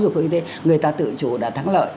giáo dục của y tế người ta tự chủ đã thắng lợi